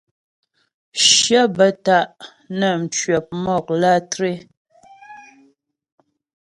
Shyə bə́ ta' nə́ mcwəp mɔk lǎtré.